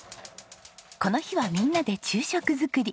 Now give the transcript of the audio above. この日はみんなで昼食作り。